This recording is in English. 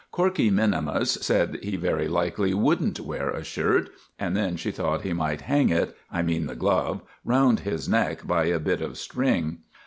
Corkey minimus said he very likely wouldn't wear a shirt; and then she thought he might hang it I mean the glove round his neck by a bit of string!